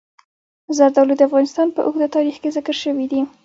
زردالو د افغانستان په اوږده تاریخ کې ذکر شوي دي.